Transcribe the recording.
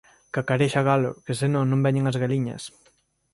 Cacarexa galo que se non non veñen as galiñas